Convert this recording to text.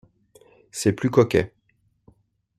C’est plus coquet.